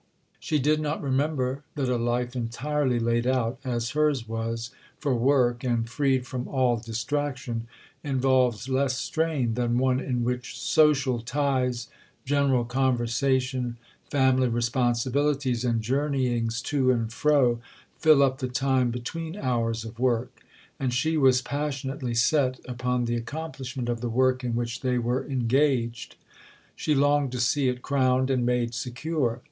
She did not remember that a life entirely laid out, as hers was, for work, and freed from all distraction, involves less strain than one in which social ties, general conversation, family responsibilities and journeyings to and fro fill up the time between hours of work. And she was passionately set upon the accomplishment of the work in which they were engaged; she longed to see it crowned and made secure.